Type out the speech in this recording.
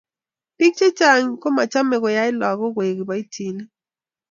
biik chechang' ko machamei keyai lagok koleku kiboitinik